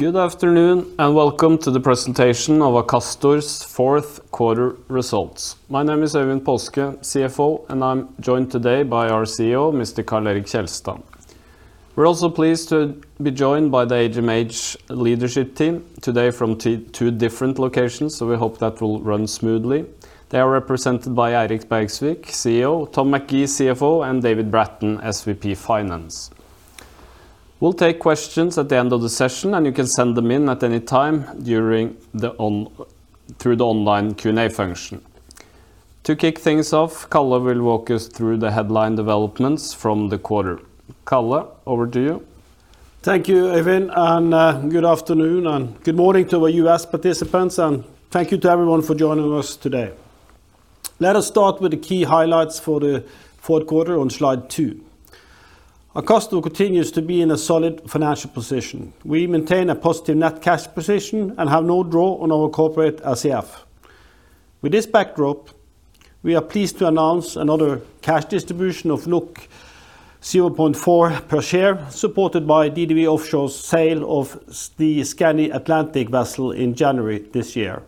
Good afternoon, and welcome to the presentation of Akastor's fourth quarter results. My name is Øyvind Paaske, CFO, and I'm joined today by our CEO, Mr. Karl Erik Kjelstad. We're also pleased to be joined by the HMH leadership team today from two different locations, so we hope that will run smoothly. They are represented by Eirik Bergsvik, CEO, Tom McGee, CFO, and David Bratton, SVP Finance. We'll take questions at the end of the session, and you can send them in at any time during the online Q&A function. To kick things off, Karl will walk us through the headline developments from the quarter. Kalle, over to you. Thank you, Øyvind, and, good afternoon, and good morning to our U.S. participants, and thank you to everyone for joining us today. Let us start with the key highlights for the fourth quarter on Slide two. Akastor continues to be in a solid financial position. We maintain a positive net cash position and have no draw on our corporate RCF. With this backdrop, we are pleased to announce another cash distribution of 0.4 per share, supported by DDW Offshore's sale of the Skandi Atlantic vessel in January this year.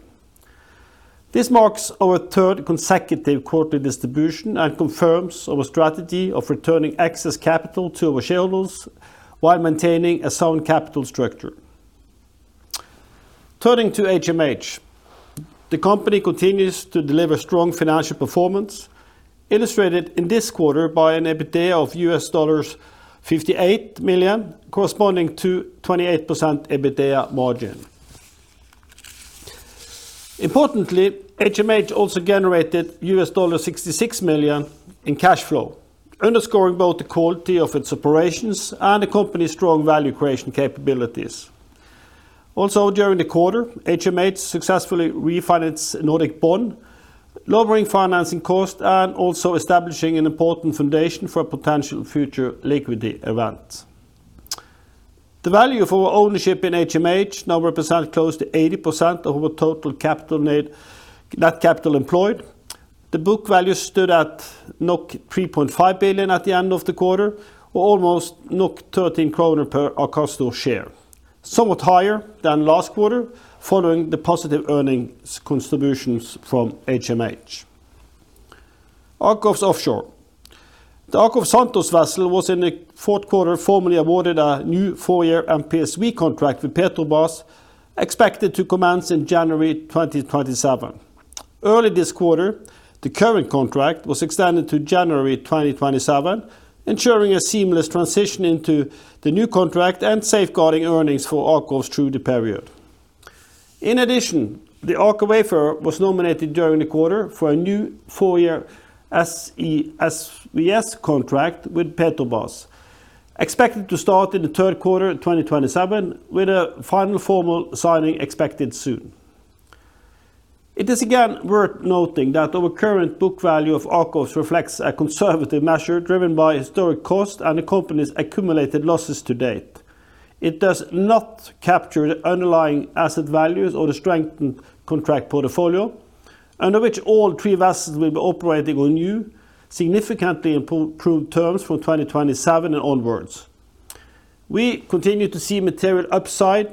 This marks our third consecutive quarterly distribution and confirms our strategy of returning excess capital to our shareholders, while maintaining a sound capital structure. Turning to HMH, the company continues to deliver strong financial performance, illustrated in this quarter by an EBITDA of $58 million, corresponding to 28% EBITDA margin. Importantly, HMH also generated $66 million in cash flow, underscoring both the quality of its operations and the company's strong value creation capabilities. Also, during the quarter, HMH successfully refinanced Nordic bond, lowering financing costs, and also establishing an important foundation for potential future liquidity events. The value of our ownership in HMH now represents close to 80% of our total capital need- net capital employed. The book value stood at 3.5 billion at the end of the quarter, or almost 13 kroner per Akastor share, somewhat higher than last quarter, following the positive earnings contributions from HMH. AKOFS Offshore. The AKOFS Santos vessel was in the fourth quarter formally awarded a new four-year MPSV contract with Petrobras, expected to commence in January 2027. Early this quarter, the current contract was extended to January 2027, ensuring a seamless transition into the new contract and safeguarding earnings for AKOFS through the period. In addition, the AKOFS Wayfarer was nominated during the quarter for a new four-year SESV contract with Petrobras, expected to start in the third quarter in 2027, with a final formal signing expected soon. It is, again, worth noting that our current book value of AKOFS reflects a conservative measure driven by historic cost and the company's accumulated losses to date. It does not capture the underlying asset values or the strengthened contract portfolio, under which all three vessels will be operating on new, significantly improved terms from 2027 and onwards. We continue to see material upside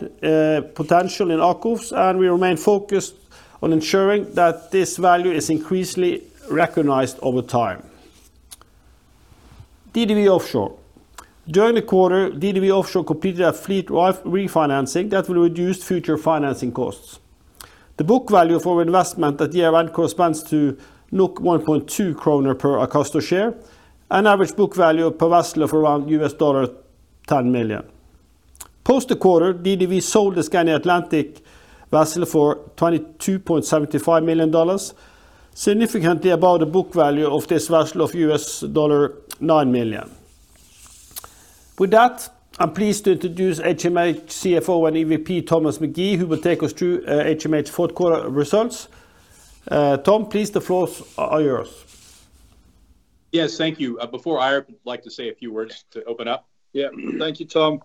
potential in AKOFS, and we remain focused on ensuring that this value is increasingly recognized over time. AKOFS Offshore. During the quarter, DDW Offshore completed a fleet-wide refinancing that will reduce future financing costs. The book value of our investment at the event corresponds to 1.2 kroner per Akastor share, an average book value per vessel of around $10 million. Post the quarter, DDW sold the Skandi Atlantic vessel for $22.75 million, significantly above the book value of this vessel of $9 million. With that, I'm pleased to introduce HMH CFO and EVP, Thomas McGee, who will take us through HMH's fourth quarter results. Tom, please, the floor is yours. Yes, thank you. Before I would like Eirik to say a few words to open up. Yeah. Thank you, Tom.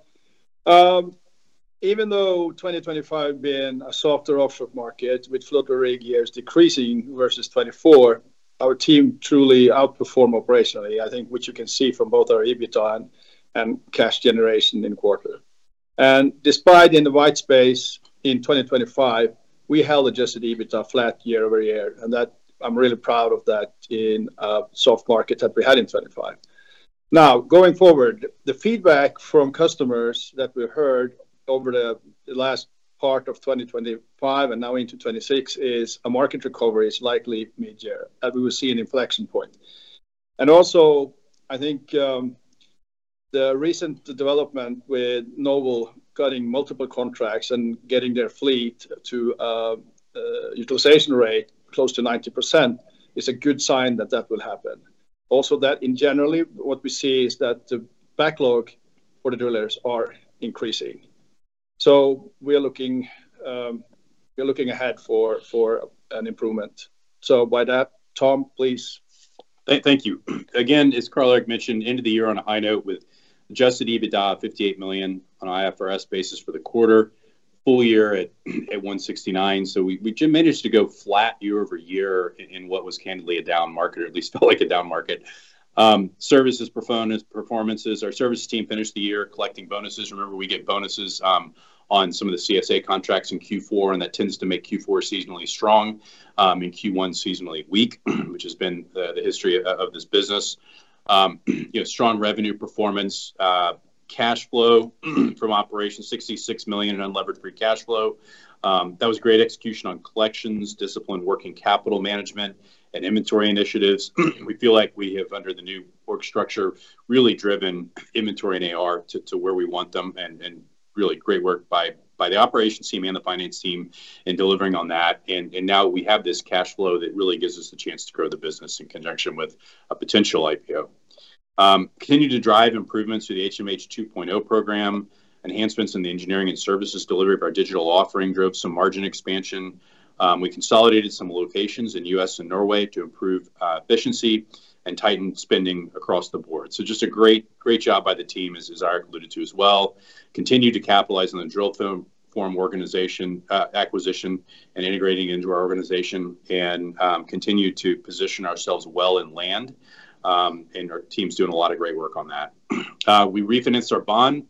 Even though 2025 been a softer offshore market, with floater rig years decreasing versus 2024, our team truly outperform operationally. I think what you can see from both our EBITDA and cash generation in quarter. And despite in the wide space in 2025, we held adjusted EBITDA flat year-over-year, and that I'm really proud of that in a soft market that we had in 2025. Now, going forward, the feedback from customers that we heard over the last part of 2025 and now into 2026, is a market recovery is likely mid-year, and we will see an inflection point. And also, I think, the recent development with Noble getting multiple contracts and getting their fleet to utilization rate close to 90% is a good sign that that will happen. Also, that, in general, what we see is that the backlog for the drillers are increasing. So we are looking, we're looking ahead for, for an improvement. So by that, Tom, please. Thank you. Again, as Karl-Erik mentioned, end of the year on a high note with adjusted EBITDA of 58 million on IFRS basis for the quarter. Full year at 169. So we managed to go flat year-over-year in what was candidly a down market, or at least felt like a down market. Services performance. Our services team finished the year collecting bonuses. Remember, we get bonuses on some of the CSA contracts in Q4, and that tends to make Q4 seasonally strong and Q1 seasonally weak, which has been the history of this business. You know, strong revenue performance, cash flow from operations 66 million in unlevered free cash flow. That was great execution on collections, disciplined working capital management, and inventory initiatives. We feel like we have, under the new work structure, really driven inventory and AR to where we want them, and really great work by the operations team and the finance team in delivering on that. And now we have this cash flow that really gives us the chance to grow the business in conjunction with a potential IPO. Continue to drive improvements to the HMH 2.0 program. Enhancements in the engineering and services delivery of our digital offering drove some margin expansion. We consolidated some locations in U.S. and Norway to improve efficiency and tightened spending across the board. So just a great, great job by the team, as Eirik alluded to as well. Continue to capitalize on the Drillform organization acquisition, and integrating into our organization, and continue to position ourselves well inland. And our team's doing a lot of great work on that. We refinanced our bond,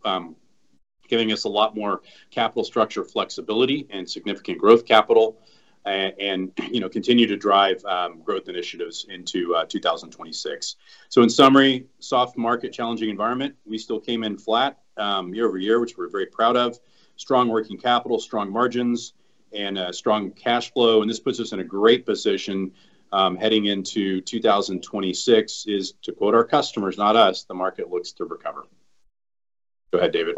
giving us a lot more capital structure flexibility and significant growth capital and, you know, continue to drive growth initiatives into 2026. So in summary, soft market, challenging environment, we still came in flat year-over-year, which we're very proud of. Strong working capital, strong margins, and strong cash flow, and this puts us in a great position heading into 2026, to quote our customers, not us, "The market looks to recover." Go ahead, David.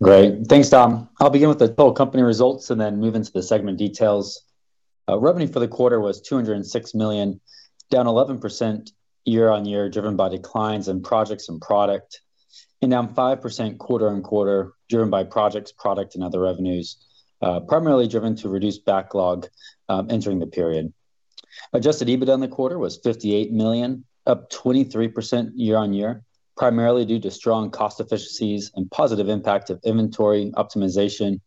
Great. Thanks, Tom. I'll begin with the full company results and then move into the segment details. Revenue for the quarter was 206 million, down 11% year-on-year, driven by declines in projects and product, and down 5% quarter-on-quarter, driven by projects, product, and other revenues. Primarily driven to reduce backlog entering the period. Adjusted EBITDA in the quarter was 58 million, up 23% year-on-year, primarily due to strong cost efficiencies and positive impact of inventory optimization.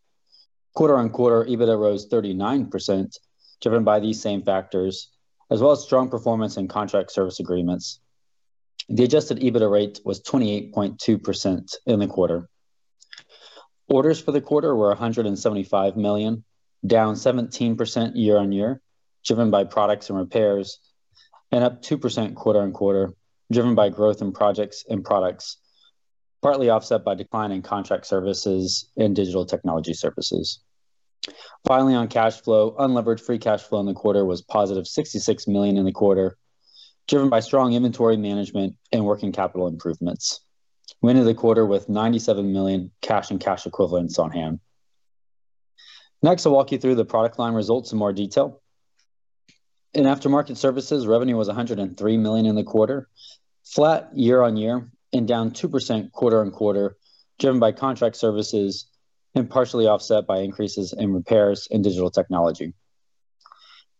Quarter-on-quarter, EBITDA rose 39%, driven by these same factors, as well as strong performance and contract service agreements. The adjusted EBITDA rate was 28.2% in the quarter. Orders for the quarter were 175 million, down 17% year-on-year, driven by products and repairs, and up 2% quarter-on-quarter, driven by growth in projects and products, partly offset by decline in contract services and digital technology services. Finally, on cash flow, unlevered free cash flow in the quarter was positive 66 million in the quarter, driven by strong inventory management and working capital improvements. We ended the quarter with 97 million cash and cash equivalents on hand. Next, I'll walk you through the product line results in more detail. In aftermarket services, revenue was 103 million in the quarter, flat year-on-year and down 2% quarter-on-quarter, driven by contract services and partially offset by increases in repairs and digital technology.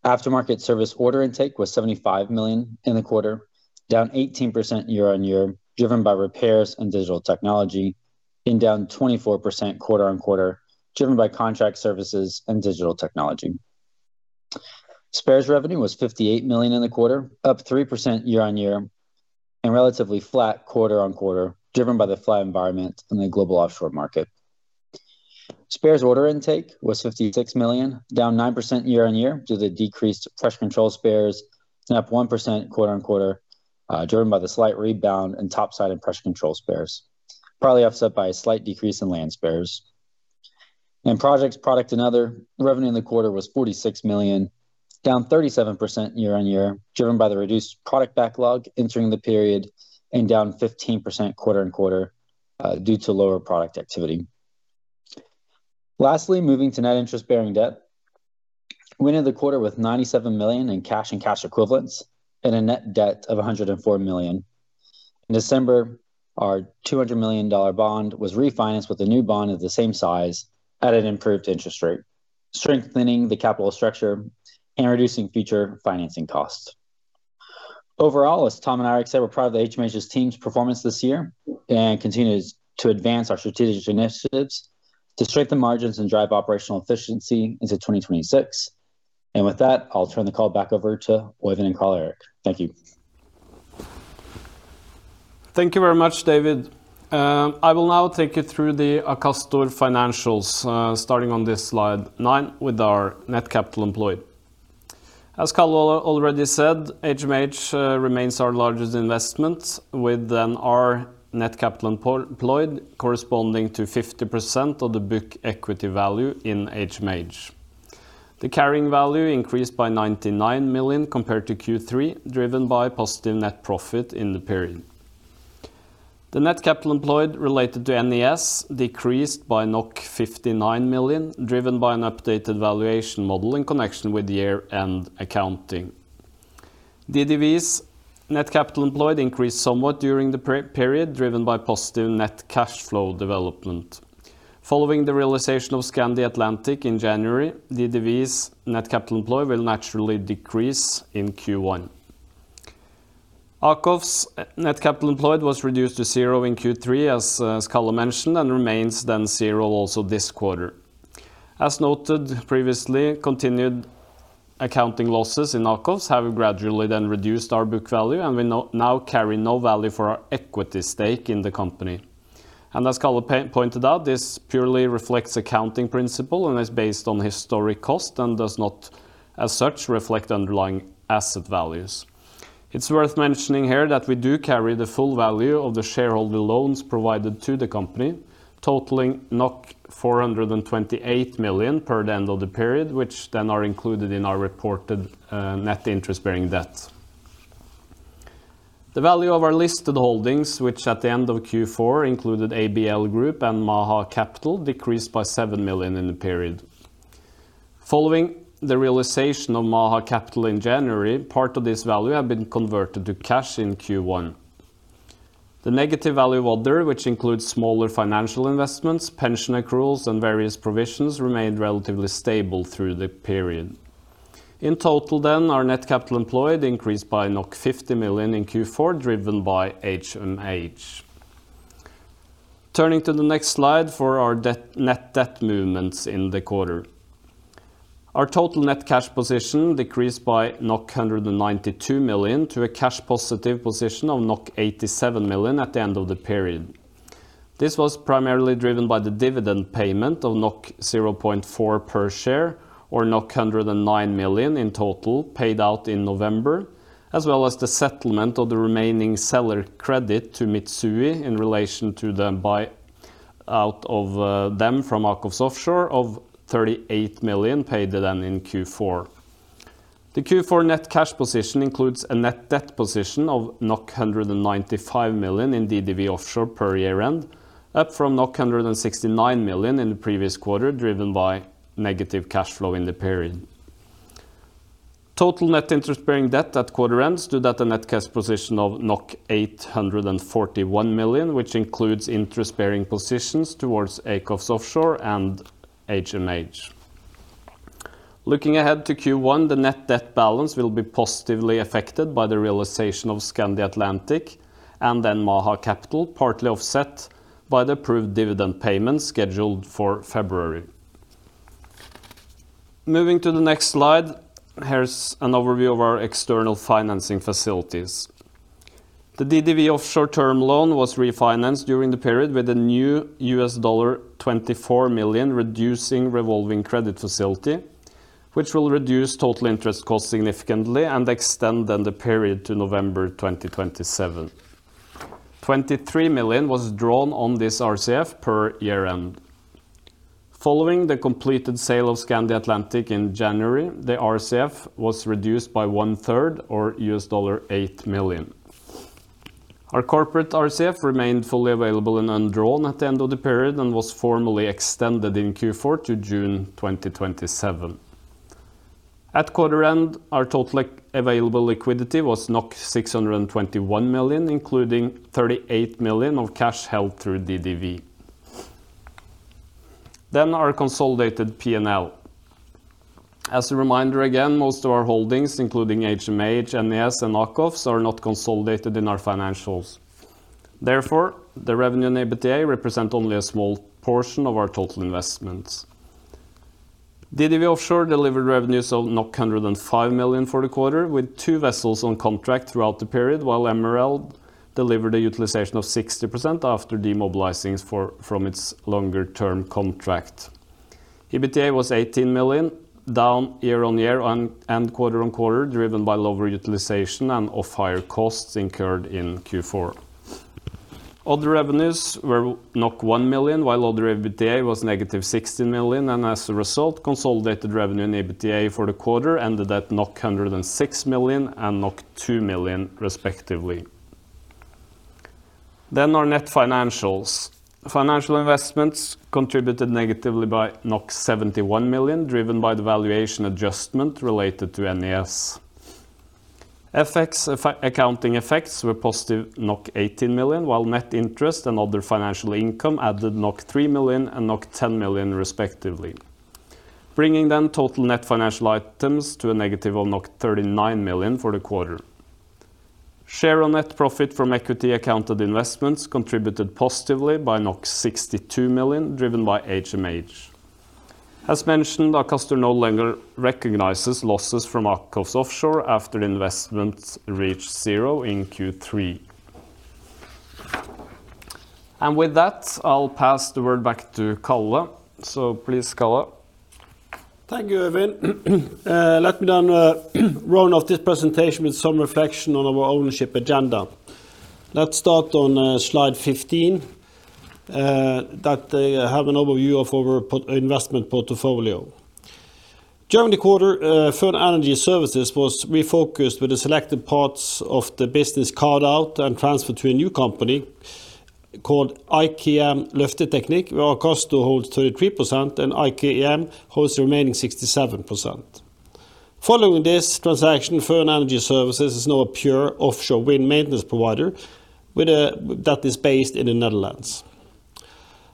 Aftermarket service order intake was 75 million in the quarter, down 18% year-on-year, driven by repairs and digital technology, and down 24% quarter-on-quarter, driven by contract services and digital technology. Spares revenue was 58 million in the quarter, up 3% year-on-year, and relatively flat quarter-on-quarter, driven by the flat environment in the global offshore market. Spares order intake was 56 million, down 9% year-on-year due to the decreased pressure control spares, and up 1% quarter-on-quarter, driven by the slight rebound in top side and pressure control spares, partly offset by a slight decrease in land spares. In projects, product, and other, revenue in the quarter was $46 million, down 37% year-over-year, driven by the reduced product backlog entering the period, and down 15% quarter-over-quarter, due to lower product activity. Lastly, moving to net interest-bearing debt. We ended the quarter with $97 million in cash and cash equivalents and a net debt of $104 million. In December, our $200 million bond was refinanced with a new bond of the same size at an improved interest rate, strengthening the capital structure and reducing future financing costs. Overall, as Tom and Eirik said, we're proud of the HMH's team's performance this year, and continues to advance our strategic initiatives to strengthen margins and drive operational efficiency into 2026. And with that, I'll turn the call back over to Øyvind and Karl-Erik. Thank you. Thank you very much, David. I will now take you through the Akastor financials, starting on this slide nine, with our net capital employed. As Karl already said, HMH remains our largest investment, with then our net capital employed corresponding to 50% of the book equity value in HMH. The carrying value increased by 99 million compared to Q3, driven by positive net profit in the period. The net capital employed related to NES decreased by 59 million, driven by an updated valuation model in connection with the year-end accounting. DDW's net capital employed increased somewhat during the period, driven by positive net cash flow development. Following the realization of Skandi Atlantic in January, DDW's net capital employed will naturally decrease in Q1. ... AKOFS's net capital employed was reduced to zero in Q3 as Kalle mentioned, and remains then zero also this quarter. As noted previously, continued accounting losses in AKOFS have gradually then reduced our book value, and we now carry no value for our equity stake in the company. And as Kalle pointed out, this purely reflects accounting principle and is based on historic cost and does not, as such, reflect underlying asset values. It's worth mentioning here that we do carry the full value of the shareholder loans provided to the company, totaling 428 million per the end of the period, which then are included in our reported net interest-bearing debt. The value of our listed holdings, which at the end of Q4 included ABL Group and Maha Capital, decreased by 7 million in the period. Following the realization of Maha Capital in January, part of this value had been converted to cash in Q1. The negative value of other, which includes smaller financial investments, pension accruals, and various provisions, remained relatively stable through the period. In total then, our net capital employed increased by 50 million in Q4, driven by HMH. Turning to the next slide for our debt, net debt movements in the quarter. Our total net cash position decreased by 192 million, to a cash positive position of 87 million at the end of the period. This was primarily driven by the dividend payment of 0.4 per share or 109 million in total, paid out in November, as well as the settlement of the remaining seller credit to Mitsui in relation to the buy out of them from AKOFS Offshore of 38 million paid then in Q4. The Q4 net cash position includes a net debt position of 195 million in DDW Offshore per year-end, up from 169 million in the previous quarter, driven by negative cash flow in the period. Total net interest-bearing debt at quarter end stood at a net cash position of 841 million, which includes interest-bearing positions towards AKOFS Offshore and HMH. Looking ahead to Q1, the net debt balance will be positively affected by the realization of Skandi Atlantic and then Maha Capital, partly offset by the approved dividend payment scheduled for February. Moving to the next slide, here's an overview of our external financing facilities. The DDW Offshore term loan was refinanced during the period with a new $24 million reducing revolving credit facility, which will reduce total interest cost significantly and extend then the period to November 2027. $23 million was drawn on this RCF per year-end. Following the completed sale of Skandi Atlantic in January, the RCF was reduced by one-third, or $8 million. Our corporate RCF remained fully available and undrawn at the end of the period and was formally extended in Q4 to June 2027. At quarter end, our total available liquidity was 621 million, including 38 million of cash held through DDW. Then our consolidated P&L. As a reminder, again, most of our holdings, including HMH, NES, and AKOFS, are not consolidated in our financials. Therefore, the revenue and EBITDA represent only a small portion of our total investments. DDW Offshore delivered revenues of 105 million for the quarter, with two vessels on contract throughout the period, while Skandi Emerald delivered a utilization of 60% after demobilizing from its longer-term contract. EBITDA was 18 million, down year-on-year and quarter-on-quarter, driven by lower utilization and off-hire costs incurred in Q4. Other revenues were 1 million, while other EBITDA was -16 million, and as a result, consolidated revenue and EBITDA for the quarter ended at 106 million and 2 million, respectively. Then our net financials. Financial investments contributed negatively by 71 million, driven by the valuation adjustment related to NES. FX effects, accounting effects were positive 18 million, while net interest and other financial income added 3 million and 10 million, respectively, bringing the total net financial items to a negative of 39 million for the quarter. Share of net profit from equity accounted investments contributed positively by 62 million, driven by HMH. As mentioned, Akastor no longer recognizes losses from AKOFS Offshore after investments reached zero in Q3. And with that, I'll pass the word back to Karl. So please, Kalle. Thank you, Øyvind. Let me then round off this presentation with some reflection on our ownership agenda. Let's start on slide 15 that have an overview of our investment portfolio. During the quarter, Føn Energy Services was refocused with the selected parts of the business carved out and transferred to a new company called IKM Løfteteknikk, where Akastor holds 33% and IKM holds the remaining 67%. Following this transaction, Føn Energy Services is now a pure offshore wind maintenance provider with that is based in the Netherlands.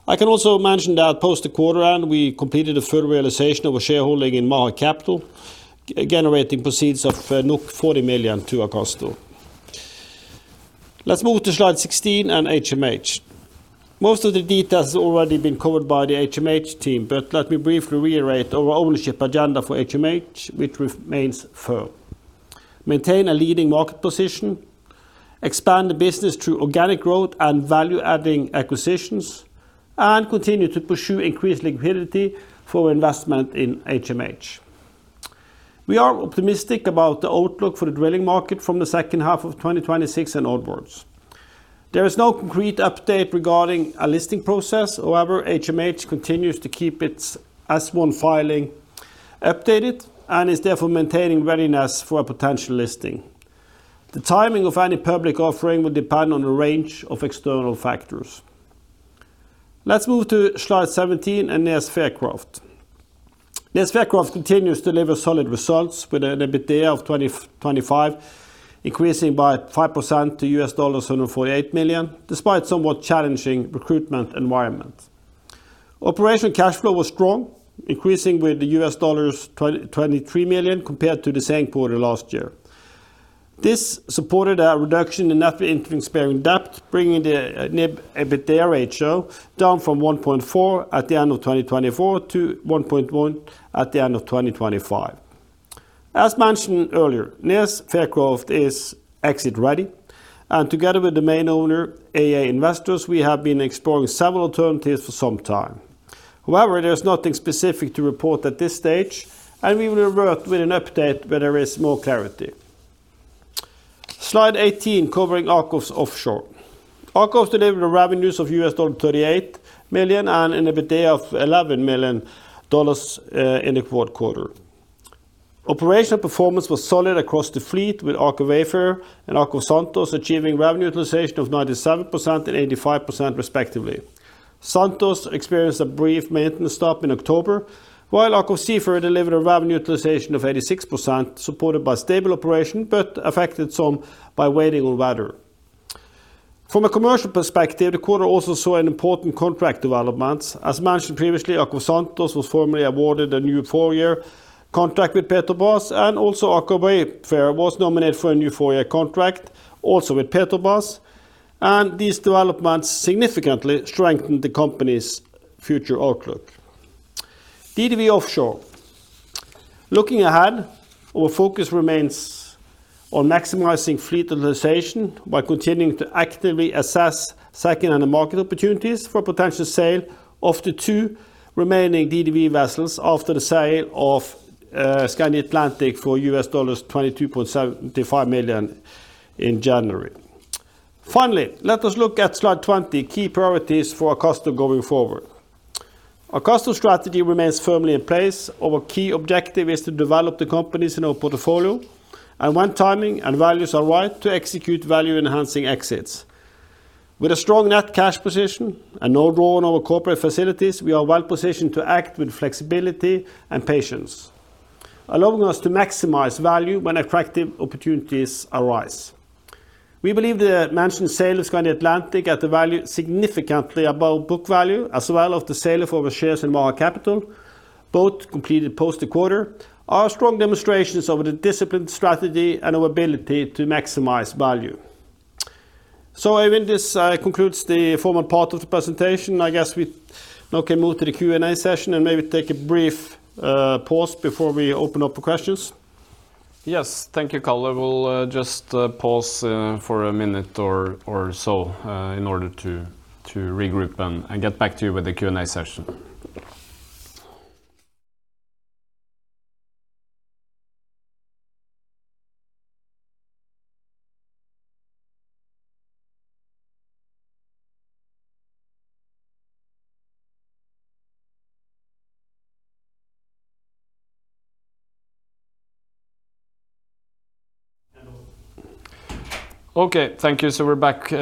I can also mention that post the quarter end, we completed a full realization of a shareholding in Maha Capital, generating proceeds of 40 million to Akastor. Let's move to slide 16 and HMH. Most of the details has already been covered by the HMH team, but let me briefly reiterate our ownership agenda for HMH, which remains firm: maintain a leading market position, expand the business through organic growth and value-adding acquisitions, and continue to pursue increased liquidity for investment in HMH. We are optimistic about the outlook for the drilling market from the second half of 2026 and onwards. There is no concrete update regarding a listing process. However, HMH continues to keep its S-1 filing updated and is therefore maintaining readiness for a potential listing. The timing of any public offering will depend on a range of external factors. Let's move to slide 17 and NES Fircroft. NES Fircroft continues to deliver solid results, with an EBITDA of 2025, increasing by 5% to $748 million, despite somewhat challenging recruitment environment. Operational cash flow was strong, increasing with the $23 million compared to the same quarter last year. This supported a reduction in net interest-bearing debt, bringing the NIBD/EBITDA ratio down from 1.4 at the end of 2024 to 1.1 at the end of 2025. As mentioned earlier, NES Fircroft is exit-ready, and together with the main owner, AEA Investors, we have been exploring several alternatives for some time. However, there's nothing specific to report at this stage, and we will revert with an update when there is more clarity. Slide 18, covering AKOFS Offshore. AKOFS delivered revenues of $38 million and an EBITDA of $11 million in the fourth quarter. Operational performance was solid across the fleet, with AKOFS Wayfarer and AKOFS Santos achieving revenue utilization of 97% and 85% respectively. Santos experienced a brief maintenance stop in October, while AKOFS Seafarer delivered a revenue utilization of 86%, supported by stable operation, but affected some by waiting on weather. From a commercial perspective, the quarter also saw an important contract development. As mentioned previously, AKOFS Santos was formerly awarded a new four-year contract with Petrobras, and also AKOFS Wayfarer was nominated for a new four-year contract, also with Petrobras, and these developments significantly strengthened the company's future outlook. DDW Offshore. Looking ahead, our focus remains on maximizing fleet utilization by continuing to actively assess second-hand market opportunities for potential sale of the two remaining DDW vessels after the sale of Skandi Atlantic for $22.75 million in January. Finally, let us look at slide 20, key priorities for Akastor going forward. Akastor strategy remains firmly in place. Our key objective is to develop the companies in our portfolio, and when timing and values are right, to execute value-enhancing exits. With a strong net cash position and no draw on our corporate facilities, we are well positioned to act with flexibility and patience, allowing us to maximize value when attractive opportunities arise. We believe the mentioned sale of Skandi Atlantic at a value significantly above book value, as well as the sale of our shares in Maha Capital, both completed post the quarter, are strong demonstrations of the disciplined strategy and our ability to maximize value. So, this concludes the formal part of the presentation. I guess we now can move to the Q&A session and maybe take a brief pause before we open up for questions. Yes, thank you, Karl. We'll just pause for a minute or so in order to regroup and get back to you with the Q&A session. Okay, thank you. So we're back. We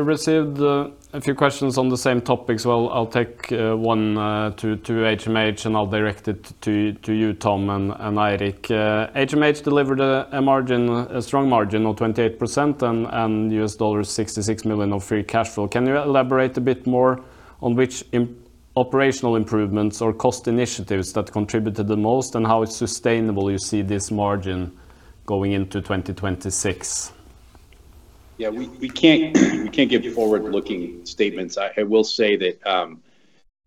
received a few questions on the same topic, so I'll take one to HMH, and I'll direct it to you, Tom and Eirik. HMH delivered a strong margin of 28% and $66 million of free cash flow. Can you elaborate a bit more on which operational improvements or cost initiatives that contributed the most and how sustainable you see this margin going into 2026? Yeah, we can't give forward-looking statements. I will say that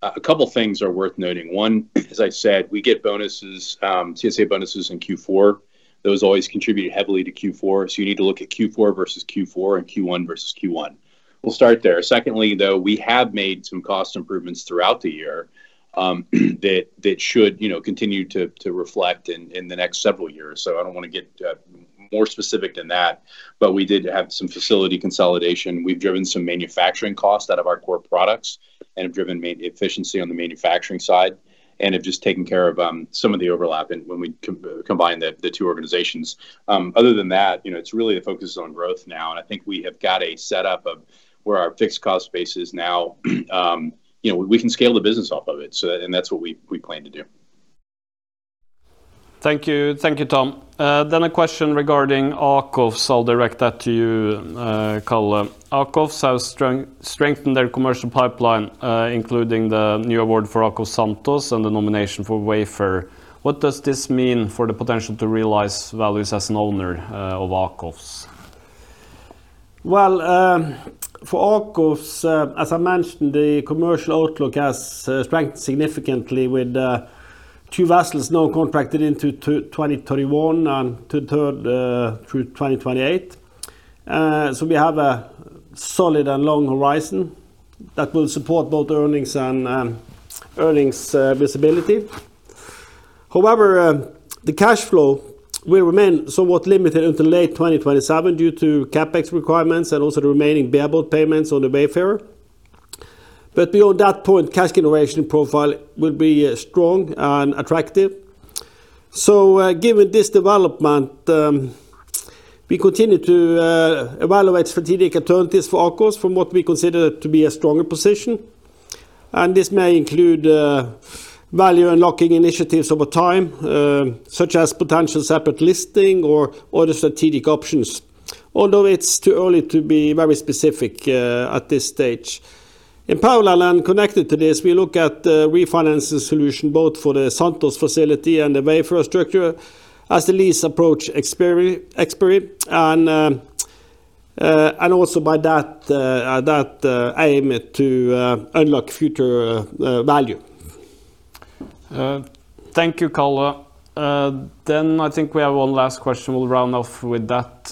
a couple things are worth noting. One, as I said, we get bonuses, TSA bonuses in Q4. Those always contribute heavily to Q4, so you need to look at Q4 versus Q4 and Q1 versus Q1. We'll start there. Secondly, though, we have made some cost improvements throughout the year that should, you know, continue to reflect in the next several years. So I don't want to get more specific than that, but we did have some facility consolidation. We've driven some manufacturing costs out of our core products and have driven efficiency on the manufacturing side and have just taken care of some of the overlap and when we combine the two organizations. Other than that, you know, it's really the focus is on growth now, and I think we have got a setup of where our fixed cost base is now. You know, we can scale the business off of it, so that- and that's what we, we plan to do. ... Thank you. Thank you, Tom. Then a question regarding AKOFS. I'll direct that to you, Karl. AKOFS has strengthened their commercial pipeline, including the new award for AKOFS Santos and the nomination for Wayfarer. What does this mean for the potential to realize values as an owner, of AKOFS? Well, for Akastor, as I mentioned, the commercial outlook has strengthened significantly with two vessels now contracted into 2031 and a third through 2028. So we have a solid and long horizon that will support both earnings and earnings visibility. However, the cash flow will remain somewhat limited until late 2027 due to CapEx requirements and also the remaining bare boat payments on the Wayfarer. But beyond that point, cash generation profile will be strong and attractive. So, given this development, we continue to evaluate strategic alternatives for Akastor from what we consider to be a stronger position. This may include value unlocking initiatives over time, such as potential separate listing or other strategic options. Although it's too early to be very specific at this stage. In parallel and connected to this, we look at refinancing solution both for the Santos facility and the Wayfarer structure as the lease approach expiry. And also by that, that aim it to unlock future value. Thank you, Karl. Then I think we have one last question. We'll round off with that,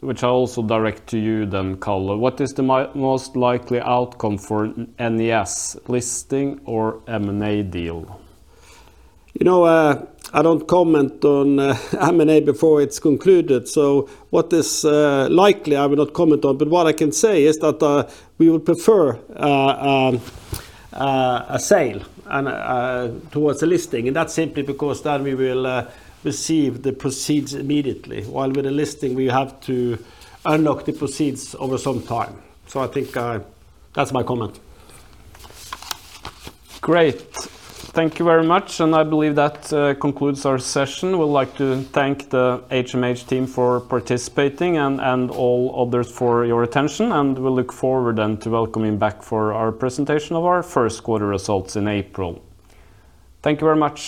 which I'll also direct to you then, Karl. What is the most likely outcome for NES listing or M&A deal? You know, I don't comment on M&A before it's concluded. So what is likely, I will not comment on, but what I can say is that we would prefer a sale and towards a listing. And that's simply because then we will receive the proceeds immediately, while with the listing, we have to unlock the proceeds over some time. So I think that's my comment. Great. Thank you very much, and I believe that concludes our session. We'd like to thank the HMH team for participating and all others for your attention, and we look forward then to welcoming you back for our presentation of our first quarter results in April. Thank you very much.